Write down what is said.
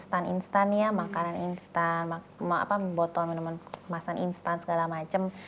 kalau zaman sekarang kan banyak kita mendapatkan yang instan instan ya makanan instan botol minuman kemasan instan segala macam